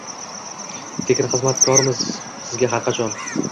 Tekin xizmatkormiz sizga har qachon.